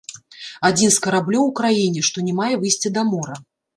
Адзін з караблёў у краіне, што не мае выйсця да мора.